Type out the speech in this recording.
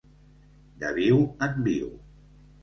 De viu en viu.